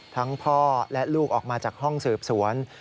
พ่อและลูกออกมาจากห้องสืบสวน